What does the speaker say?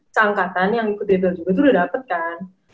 seangkatan yang ikut table juga tuh udah dapet kan